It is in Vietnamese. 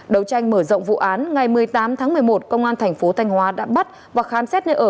đấu tranh mở rộng vụ án ngày một mươi tám tháng một mươi một công an thành phố thanh hóa đã bắt và khám xét nơi ở